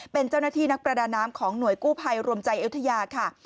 เป็นเจ้าหน้าที่นักประดาน้ำของหน่วยกู้ภัยรวมใจอยุธยาค่ะ